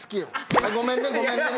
アッごめんねごめんね。